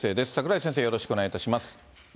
櫻井先生、よろしくお願いします。